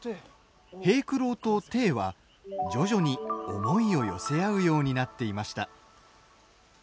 平九郎と、ていは徐々に思いを寄せ合うようになっていました。